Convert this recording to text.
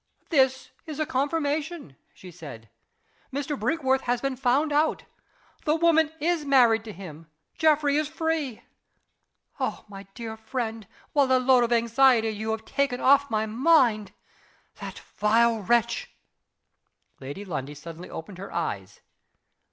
"This is a confirmation," she said. "Mr. Brinkworth has been found out the woman is married to him Geoffrey is free. Oh, my dear friend, what a load of anxiety you have taken off my mind! That vile wretch " Lady Lundie suddenly opened her eyes.